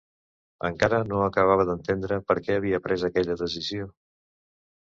Encara no acabava d'entendre per què havia pres aquella decisió!